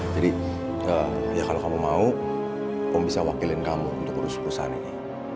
jadi ya kalau kamu mau om bisa wakilin kamu untuk urus perusahaan ini